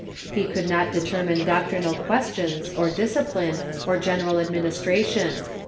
He could not determine doctrinal ques tions, or discipline, or genei al administration.